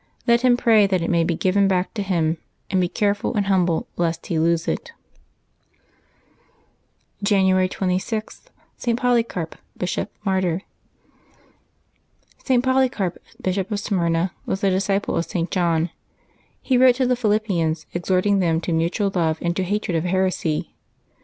Let him pray that it may be given back to him, and be careful and humble, lest he lose it." January 26] LIVES OF TEE SAINTS 49 January 26. — ST. POLYCARP, Bishop, Martyr. • @T. PoLYCAEP^ Bishop of Smyrna, was a disciple of St. John. He wrote to the Philippians, exhorting them to mutual love and to hatred of heresy.